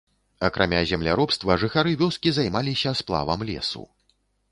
Акрамя земляробства жыхары вёскі займаліся сплавам лесу.